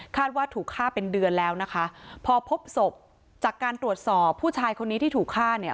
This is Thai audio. ว่าถูกฆ่าเป็นเดือนแล้วนะคะพอพบศพจากการตรวจสอบผู้ชายคนนี้ที่ถูกฆ่าเนี่ย